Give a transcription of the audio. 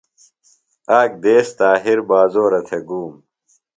آک دیس طاہر بازورہ تھےۡ گوم۔